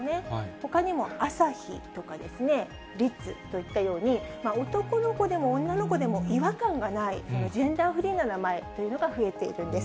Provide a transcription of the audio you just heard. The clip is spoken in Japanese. ほかにも朝陽とかですね、律といったように、男の子でも女の子でも違和感がない、ジェンダーフリーな名前が増えているんです。